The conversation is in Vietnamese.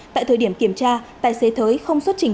tại thời điểm kiểm tra tài xế thới không xuất trình